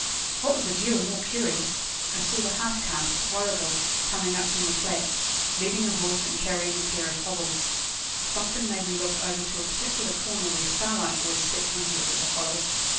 What was a deal more curious, I saw the half caste, Warrigal, coming up from the flat, leading a horse and carrying a pair of hobbles. Something made me look over to a particular corner where Starlight always slept when he was at the Hollow.